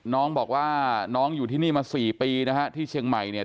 น้องบอกว่าน้องอยู่ที่นี่มา๔ปีนะฮะที่เชียงใหม่เนี่ย